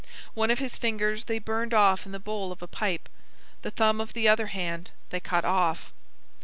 One of his fingers they burned off in the bowl of a pipe. The thumb of the other hand they cut off.